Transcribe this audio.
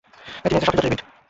তিনি একজন শখের জ্যোতির্বিদ।